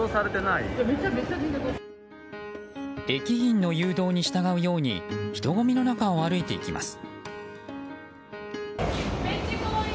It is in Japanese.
駅員の誘導に従うように人ごみの中を歩いていきます。